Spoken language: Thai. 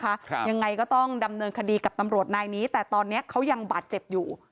ครับยังไงก็ต้องดำเนินคดีกับตำรวจนายนี้แต่ตอนเนี้ยเขายังบาดเจ็บอยู่